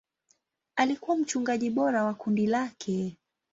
Alikuwa mchungaji bora wa kundi lake.